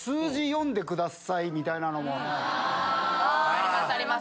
ありますあります。